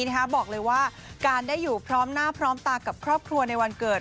บอกเลยว่าการได้อยู่พร้อมหน้าพร้อมตากับครอบครัวในวันเกิด